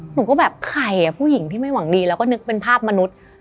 หนูก็แบบใครอ่ะผู้หญิงที่ไม่หวังดีแล้วก็นึกเป็นภาพมนุษย์